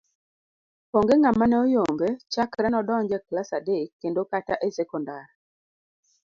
Onge ng'ama ne oyombe chakre nodonj e klas adek kendo kata e sekondar.